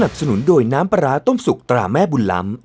สนับสนุนโดยน้ำประระต้มประสุขตลาดแม่บุญลำ